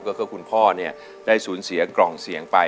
ก็คือคุณพ่อเนี่ยได้สูญเสียกล่องเสียงไป